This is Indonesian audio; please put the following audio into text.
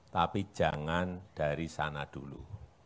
tapi jangan dari sana dulu